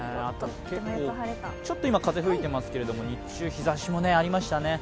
ちょっと今、風、吹いてますけど、日中、日ざしがありましたね。